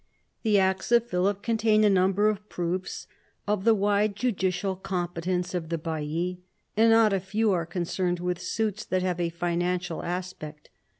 The acts of Philip contain a number of proofs of the wide judicial competence of the baillis, and not a few are concerned with suits that have a financial aspect.